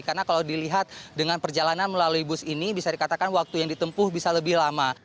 karena kalau dilihat dengan perjalanan melalui bus ini bisa dikatakan waktu yang ditempuh bisa lebih lama